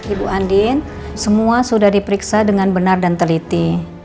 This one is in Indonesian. ibu andin semua sudah diperiksa dengan benar dan teliti